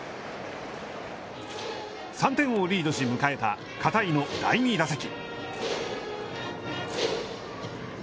３点をリードし迎えた片井の第２打席。